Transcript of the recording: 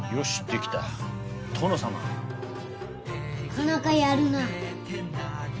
なかなかやるな。